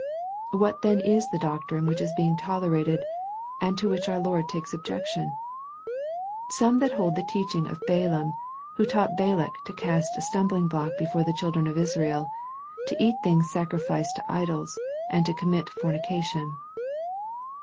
What then is the doctrine which is being tolerated and to which our Lord takes objec tion ?" Some that hold the teaching of Balaam, who taught Balak to cast a stumbling block before the children of Israel, to eat things sacrificed to idols, and to commit fornication."